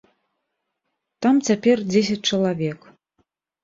Там цяпер дзесяць чалавек.